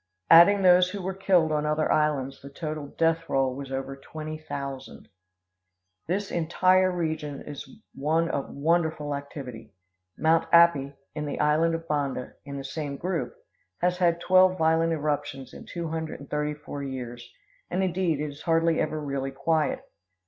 Adding those who were killed on other islands, the total death roll was over twenty thousand." This entire region is one of wonderful activity. Mount Api, in the island of Banda, in the same group, has had twelve violent eruptions in two hundred and thirty four years; and, indeed, it is hardly ever really quiet.